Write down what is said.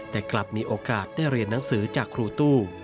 แต่กลับมีโอกาสได้เรียนหนังสือจากครูตู้